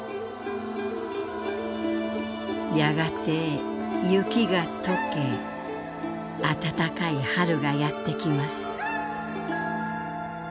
「やがて雪が溶け暖かい春がやってきます」。